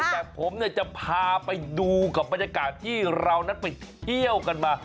แต่ผมจะพาไปดูกับบรรยากาศที่เรานั้นไปเที่ยวกันมา